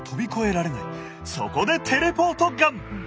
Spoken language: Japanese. そこでテレポートガン！